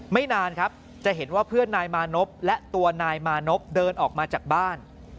นานครับจะเห็นว่าเพื่อนนายมานพและตัวนายมานพเดินออกมาจากบ้าน